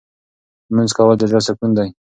لمونځ کول د زړه سکون دی.